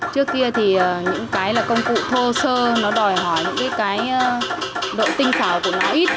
trước kia thì những cái là công cụ thô sơ nó đòi hỏi những cái độ tinh xảo của nó ít